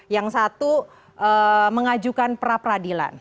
yang satu mengajukan pra peradilan